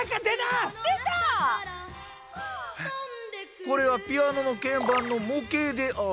これはピアノのけん盤の模型である。